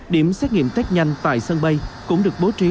điểm xét nghiệm test nhanh tại sân bay cũng được bố trí